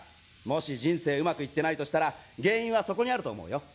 もし人生うまくいってないとしたら原因はそこにあると思うよ。